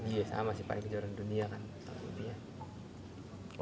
iya sama sih paling kejuaraan dunia kan